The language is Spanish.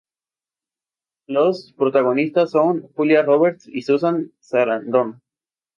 Las protagonistas son Julia Roberts y Susan Sarandon.